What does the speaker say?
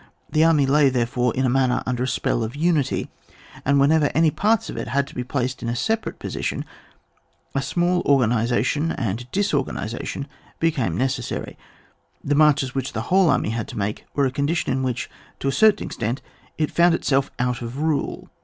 The army lay, therefore, in a manner under a 8j)ell of unity, and whenever any part's of it had to be placed in a sepa rate ]>osition, a small organisation and disorganisation became necessary. The marches which the whole army had to make were a condition in which, to a cer tain extent, it found itself out of rule.